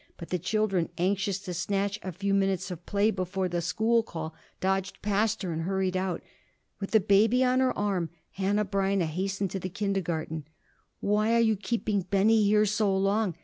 But the children, anxious to snatch a few minutes' play before the school call, dodged past her and hurried out. With the baby on her arm, Hanneh Breineh hastened to the kindergarten. "Why are you keeping Benny here so long?"